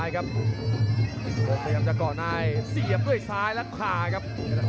ขอเตรียมด้วยสายครับ